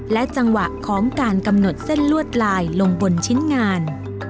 และจังหวะของการกำหนดเส้นลวดลายลงบนชิ้นงาน